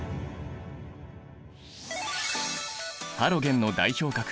ハロゲンの代表格